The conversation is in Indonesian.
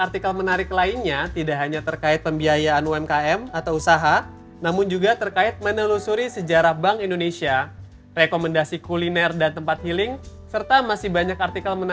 terima kasih sobat rupiah yang sudah menyaksikan